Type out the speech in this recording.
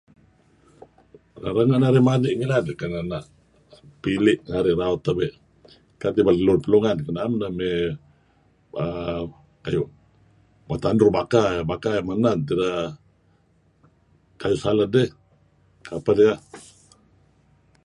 Laba renga' narih madi' ngilad kan ena' pili' narih ngen raut, Ka' tibal Lun Pa 'Lungan ken na'em ideh mey kayu' metanur baka, baka menad tideh kayuh salad dih. kapeh niyah?